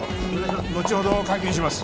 後ほど会見します。